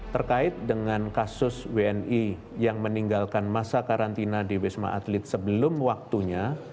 terkait dengan kasus wni yang meninggalkan masa karantina di wisma atlet sebelum waktunya